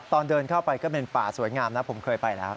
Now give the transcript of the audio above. ตอนเดินเข้าไปก็เป็นป่าสวยงามนะผมเคยไปแล้ว